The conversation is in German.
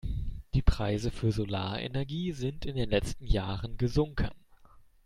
Die Preise für Solarenergie sind in den letzten Jahren gesunken.